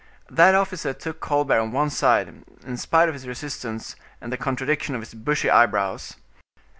That officer took Colbert on one side, in spite of his resistance and the contradiction of his bushy eyebrows.